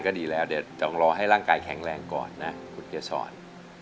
ก็ดีแล้วเดี๋ยวต้องรอให้ร่างกายแข็งแรงก่อนนะคุณเกษร